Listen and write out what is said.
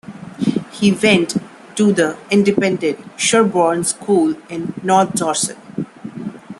He went to the independent Sherborne School in north Dorset.